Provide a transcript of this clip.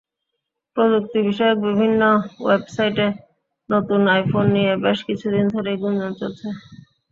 প্রযুক্তি-বিষয়ক বিভিন্ন ওয়েবসাইটে নতুন আইফোন নিয়ে বেশ কিছুদিন ধরেই গুঞ্জন চলছে।